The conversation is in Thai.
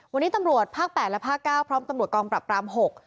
วันนี้ตำรวจภาค๘และภาคเก้าพร้อมตำรวจกองปรับราม๖